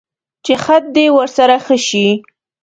چې خط دې ورسره ښه شي.